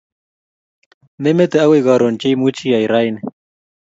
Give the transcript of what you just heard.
memete akoi karon che imuchi iyai raini